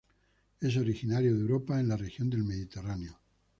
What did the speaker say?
Es originario de Europa en la región del Mediterráneo.